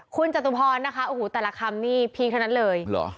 คุณจตุพรนะคะโอ้โหแต่ละคำนี้พีคเท่านั้นเลย